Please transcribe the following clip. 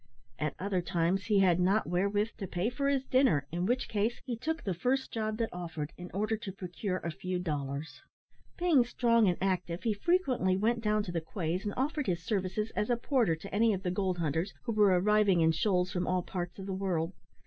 At other times he had not wherewith to pay for his dinner, in which case he took the first job that offered in order to procure a few dollars. Being strong and active, he frequently went down to the quays and offered his services as a porter to any of the gold hunters who were arriving in shoals from all parts of the world.